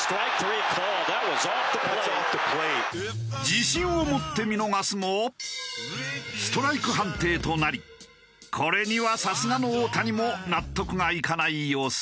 自信を持って見逃すもストライク判定となりこれにはさすがの大谷も納得がいかない様子。